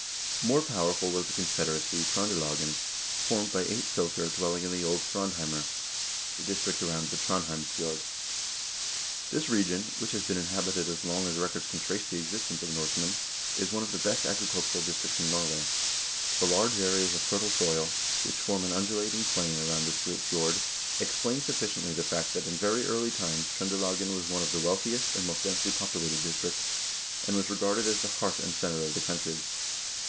More powerful was the confederacy Tr0ndelagen, formed by eight fylker dwelling in old prondheimr, the district around the Trond hjemsfjord. This region, which has been inhabited as long as records can trace the existence of Norsemen, is one of the best agri cultural districts in Norway. The large areas of fertile soil, which form an undulating plain around this great fjord, explain sufficiently the fact that in very early times Tr0ndelagen was one of the wealthiest and most densely populated districts, and was regarded as the heart and center of the country.